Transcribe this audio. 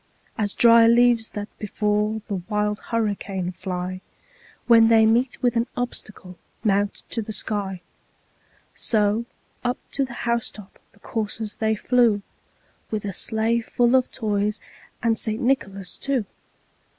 As dry leaves that before the wild hurricane fly, When they meet with an obstacle, mount to the sky; So up to the housetop the coursers they flew, With the sleigh full of toys, and St. Nicholas, too.